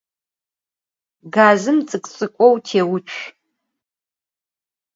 Gazım ts'ık'u - ts'ık'u têutsu.